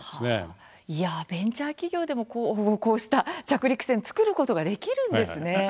ベンチャー企業でもこうした着陸船作ることができるんですね。